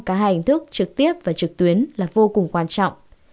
cả hai hình thức trực tiếp và trực tuyến là vô cùng quan trọng